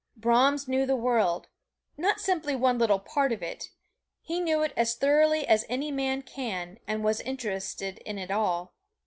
Brahms knew the world not simply one little part of it he knew it as thoroughly as any man can, and was interested in it all.